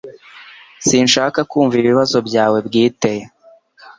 Sinshaka kumva ibibazo byawe bwite